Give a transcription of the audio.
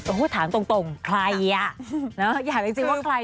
โอ้โหถามตรงใครอ่ะอยากจริงว่าใคร